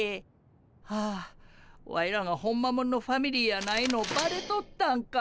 はあワイらがホンマもんのファミリーやないのバレとったんか。